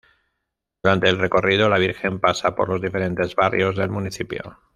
Durante el recorrido, la Virgen pasa por los diferentes barrios del municipio.